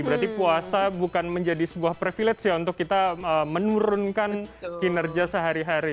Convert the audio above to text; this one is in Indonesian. berarti puasa bukan menjadi sebuah privilege ya untuk kita menurunkan kinerja sehari hari